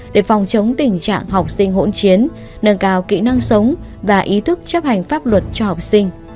để phòng chống tình trạng học sinh hỗn chiến nâng cao kỹ năng sống và ý thức chấp hành pháp luật cho học sinh